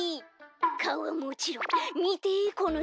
かおはもちろんみてこのスタイル。